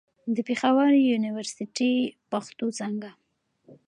د پېښور يونيورسټۍ، پښتو څانګه